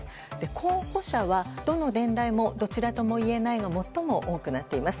候補者はどの年代もどちらとも言えないが最も多くなっています。